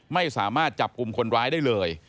ไม่สามารถจับกลุ่มคนร้ายได้เลย